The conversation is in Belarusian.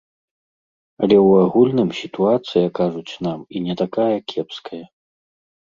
Але ў агульным сітуацыя, кажуць нам, і не такая кепская.